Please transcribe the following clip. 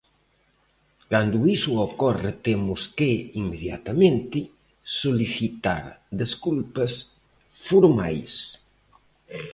Cando iso ocorre temos que, inmediatamente, solicitar desculpas formais.